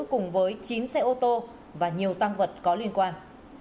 cùng với chín xe ô tô và nhiều tăng vật có liên quan